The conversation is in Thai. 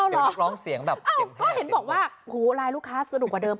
เอ้าเหรอก็เห็นบอกว่าหูลายลูกค้าสนุกกว่าเดิม